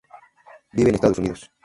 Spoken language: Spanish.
Vive en Estados Unidos.